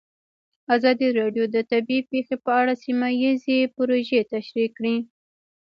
ازادي راډیو د طبیعي پېښې په اړه سیمه ییزې پروژې تشریح کړې.